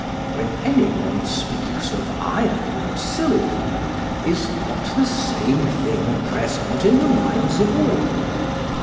SOCRATES: When any one speaks of iron and silver, is not the same thing present in the minds of all?